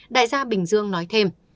đại gia bình dương nói thêm